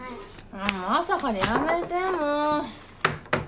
もう朝からやめて、もう！